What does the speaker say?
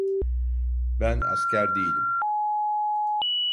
Ben asker değilim.